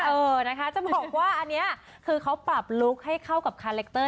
เออนะคะจะบอกว่าอันนี้คือเขาปรับลุคให้เข้ากับคาแรคเตอร์